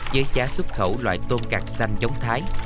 với giá xuất khẩu loại tôm cạt xanh giống thái